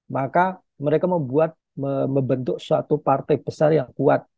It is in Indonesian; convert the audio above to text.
maka mereka membuat membentuk suatu partai besar yang kuat